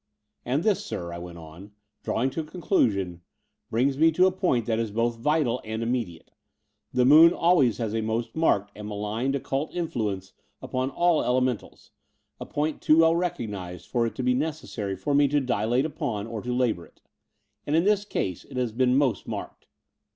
And this, sir," I went on, drawing to a con clusion, brings me to a point that is both vital and immediafe. The moon always has a most marked and malign occult influence upon aU elementals, a point too well recognized for it to be necessary for me to dilate upon or to labour it; and in this case it has been most marked.